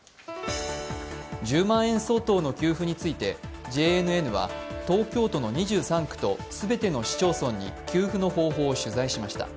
１０万円相当の給付についてＪＮＮは東京都の２３区と全ての市町村に給付の方法を取材しました。